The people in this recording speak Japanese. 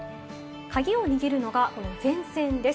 カギを握るのが、この前線です。